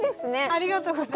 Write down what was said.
ありがとうございます。